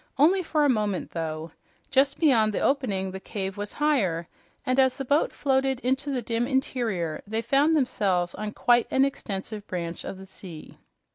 Only for a moment, though. Just beyond the opening the cave was higher, and as the boat floated into the dim interior they found themselves on quite an extensive branch of the sea.